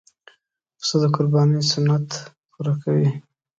پسه د قربانۍ سنت پوره کوي.